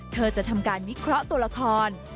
เธอจะทำการวิเคราะห์ตัวละคร